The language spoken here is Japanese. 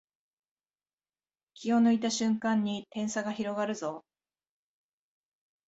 気を抜いた瞬間に点差が広がるぞ